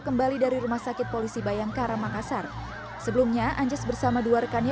kembali dari rumah sakit polisi bayangkara makassar sebelumnya anjas bersama dua rekannya